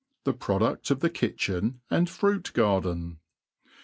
— The Pro dull of the Kitthin and Fruit Gar den